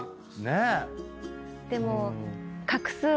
でも。